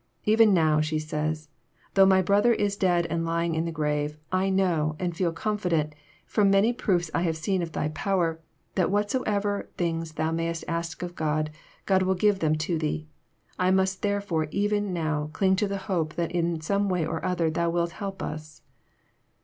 " Even now," she says, though my brother is dead and lying in the grave, I know, and feel con fident, from the many proofs I have seen of Thy power, that whatsoever things Thou raayest ask of God, God will give them to Thee. I must therefore even now cling to the hope that in some way or other Thou wilt help us."